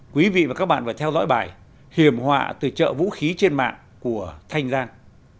quý vị và các bạn vừa theo dõi bài hiểm họa từ chợ vũ khí trên mạng của thanh giang